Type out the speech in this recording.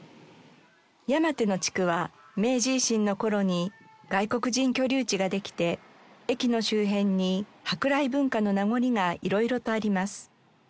山手の地区は明治維新の頃に外国人居留地ができて駅の周辺に舶来文化の名残が色々とあります。